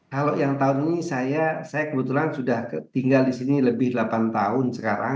kalau yang tahun ini saya kebetulan sudah tinggal di sini lebih delapan tahun sekarang